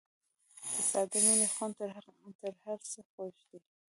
د ساده مینې خوند تر هر څه خوږ دی.